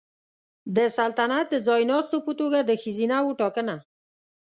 د سلطنت د ځایناستو په توګه د ښځینه وو ټاکنه